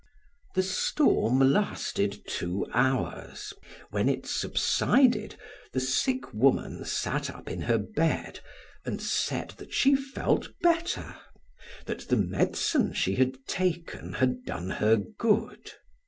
The storm lasted two hours. When it subsided, the sick woman sat up in her bed and said that she felt better, that the medicine she had taken had done her good.